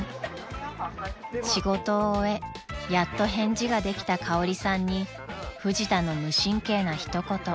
［仕事を終えやっと返事ができたかおりさんにフジタの無神経な一言］